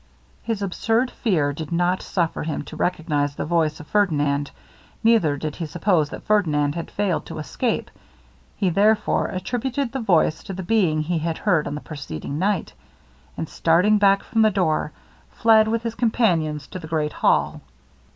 His absurd fear did not suffer him to recognize the voice of Ferdinand, neither did he suppose that Ferdinand had failed to escape, he, therefore, attributed the voice to the being he had heard on the preceding night; and starting back from the door, fled with his companions to the great hall.